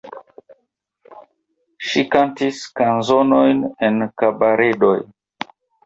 Ŝi kantis kanzonojn en kabaredoj.